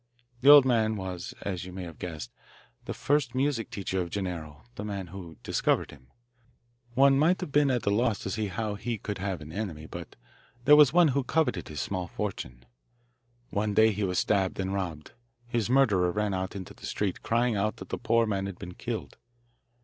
The old man was, as you may have guessed, the first music teacher of Gennaro, the man who discovered him. One might have been at a loss to see how he could have an enemy, but there was one who coveted his small fortune. One day he was stabbed and robbed. His murderer ran out into the street, crying out that the poor man had been killed.